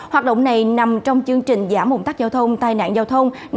hoạt động này nằm trong chương trình giảm bùng tắt giao thông tai nạn giao thông